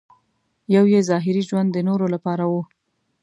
یو دې ظاهري ژوند د نورو لپاره و.